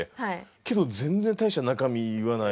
けど全然大した中身言わない。